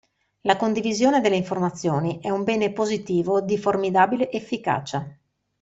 La condivisione delle informazioni è un bene positivo di formidabile efficacia.